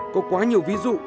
có quá nhiều ví dụ